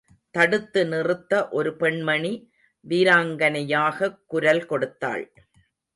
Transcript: தடுத்து நிறுத்த ஒரு பெண்மணி வீராங்கனையாகக் குரல் கொடுத்தாள்.